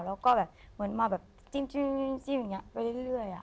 แล้วก็แบบเหมือนมาแบบจิ้มอย่างนี้ไปเรื่อย